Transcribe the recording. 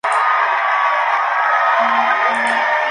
Su vestimenta característica era una camisa azul y boina negra.